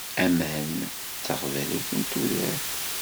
Aman d taɣbalut n tudert.